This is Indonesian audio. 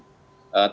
tkdn itu harus naik